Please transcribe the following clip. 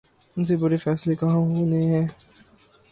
ان سے بڑے فیصلے کہاں ہونے ہیں۔